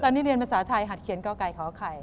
ตอนนี้เรียนภาษาไทยหัดเขียนก่อไก่ขอไข่